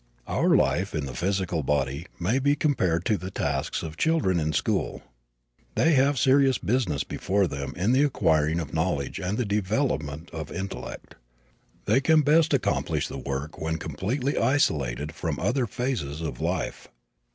Our life in the physical body may be compared to the tasks of children in school. They have serious business before them in the acquiring of knowledge and the development of the intellect. They can best accomplish the work when completely isolated from other phases of life.